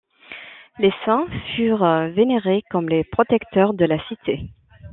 Les saints furent vénérés comme les protecteurs de la cité.